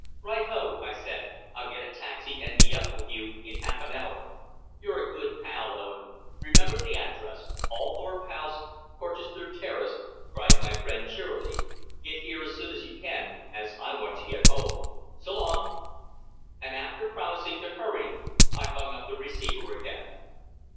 "Right ho!" I said; "I'll get a taxi and be up with you in half an hour." "You're a real good pal, Owen. Remember the address: Althorp House, Porchester Terrace," cried my friend cheerily. "Get here as soon as you can, as I want to get home. So long." And, after promising to hurry, I hung up the receiver again.